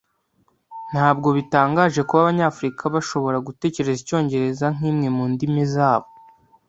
Ntabwo bitangaje kuba Abanyafurika bashobora gutekereza icyongereza nkimwe mundimi zabo